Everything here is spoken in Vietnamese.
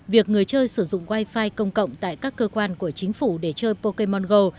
việc người chơi sử dụng wifi công cộng tại các cơ quan của chính phủ để chơi pokemon go